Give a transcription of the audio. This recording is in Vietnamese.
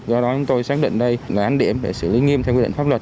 do đó chúng tôi xác định đây là án điểm để xử lý nghiêm theo quy định pháp luật